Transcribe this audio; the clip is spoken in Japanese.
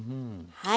はい。